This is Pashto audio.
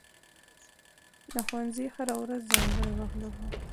د ښوونځي هره ورځ ځانګړی وخت درلود.